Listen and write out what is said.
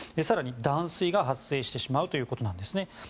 更に、断水が発生してしまうということなんですね。